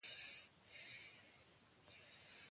ازادي راډیو د د اوبو منابع د منفي اړخونو یادونه کړې.